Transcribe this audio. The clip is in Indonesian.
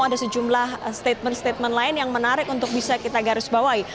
ada sejumlah statement statement lain yang menarik untuk bisa kita garis bawahi